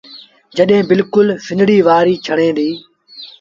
جڏهيݩ بلڪُل سنڙيٚ وآريٚ ڇڻي ديٚ۔